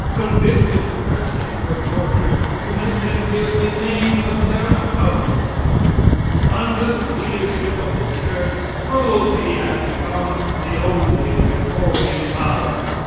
Convicted persons were tortured to make them give the names of their accomplices. Under the leadership of the church cruelty had become the only reforming power.